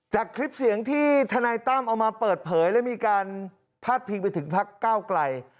คลิปเสียงที่ทนายตั้มเอามาเปิดเผยและมีการพาดพิงไปถึงพักก้าวไกล